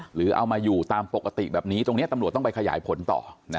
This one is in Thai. หรือเอามาอยู่ตามปกติแบบนี้ตรงนี้ตำรวจต้องไปขยายผลต่อ